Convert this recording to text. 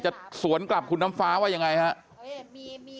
จะสวนกลับคุณน้ำฟ้าว่ายังไงฮะเอ้ยมีมี